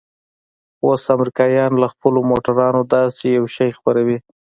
خو اوس امريکايان له خپلو موټرانو داسې يو شى خپروي.